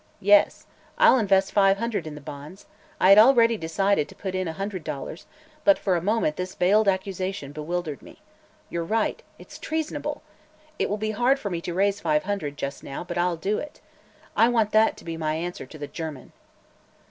"Yes. I'll invest five hundred in the bonds. I had already decided to put in a hundred dollars, but for a moment this veiled accusation bewildered me. You're right; it's treasonable. It will be hard for me to raise five hundred, just now, but I'll do it. I want that to be my answer to the German."